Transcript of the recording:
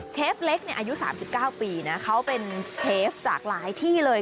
เล็กอายุ๓๙ปีนะเขาเป็นเชฟจากหลายที่เลย